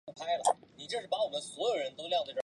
最简单的累积二烯烃是丙二烯。